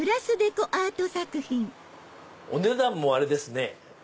お値段もあれですね。